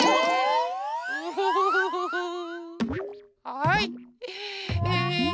はい。